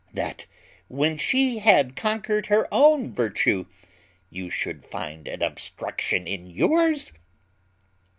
that, when she had conquered her own virtue, she should find an obstruction in yours?"